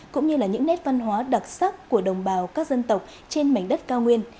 cũng như là những nét văn hóa đặc sắc của đồng bào các dân tộc trên mảnh đất cao nguyên